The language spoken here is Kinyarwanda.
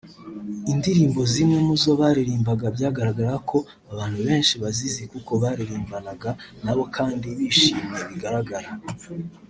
Indirimbo zimwe mu zo baririmbaga byagaragaraga ko abantu benshi bazizi kuko baririmbanaga nabo kandi bishimye bigaragara